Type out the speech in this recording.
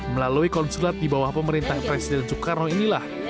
melalui konsulat di bawah pemerintahan presiden soekarno inilah